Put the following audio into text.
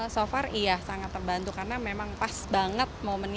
so far iya sangat terbantu karena memang pas banget momennya